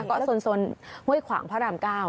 ก็สนเว้ยขวางพระอำกาล